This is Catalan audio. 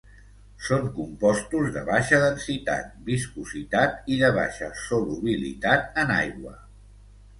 Són compostos de baixa densitat, viscositat i de baixa solubilitat en aigua.